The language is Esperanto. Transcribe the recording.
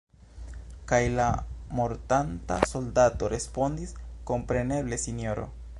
Kaj la mortanta soldato respondis: “Kompreneble, sinjoro!